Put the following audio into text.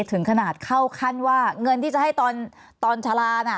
ถึงขนาดเข้าขั้นว่าเงินที่จะให้ตอนชะลาน่ะ